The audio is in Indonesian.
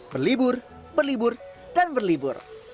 berlibur berlibur dan berlibur